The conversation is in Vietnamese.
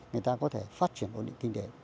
người ta có thể phát triển ổn định kinh tế